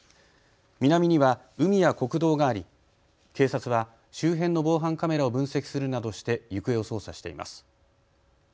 南には海や国道があり警察は周辺の防犯カメラを分析するなどして行方を捜査しています。